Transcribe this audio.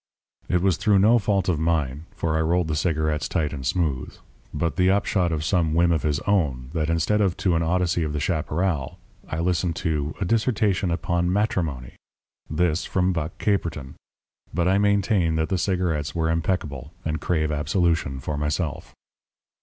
It was through no fault of mine (for I rolled the cigarettes tight and smooth), but the upshot of some whim of his own, that instead of to an Odyssey of the chaparral, I listened to a dissertation upon matrimony! This from Buck Caperton! But I maintain that the cigarettes were impeccable, and crave absolution for myself.